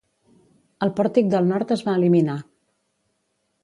El pòrtic del nord es va eliminar.